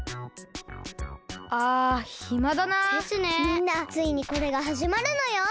みんなついにこれがはじまるのよ！